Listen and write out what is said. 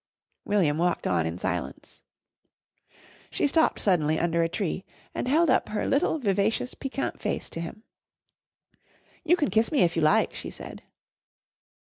William walked on in silence. She stopped suddenly under a tree and held up her little vivacious, piquant face to him. "You can kiss me if you like," she said.